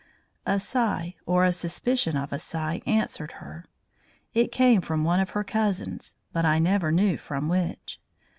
A sigh or a suspicion of a sigh answered her. It came from one of her cousins, but I never knew from which.